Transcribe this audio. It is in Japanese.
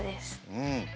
うん。